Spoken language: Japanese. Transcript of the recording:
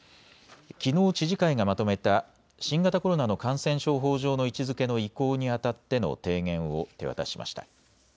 きのう知事会がまとめた新型コロナの感染症法上の位置づけの移行にあたっての提言を手渡しました。